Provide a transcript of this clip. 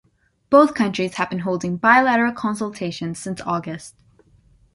Both countries have been holding bilateral consultations since August.